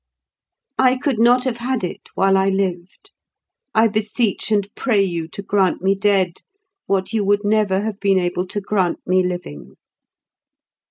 I could not have had it while I lived; I beseech and pray you to grant me dead what you would never have been able to grant me living.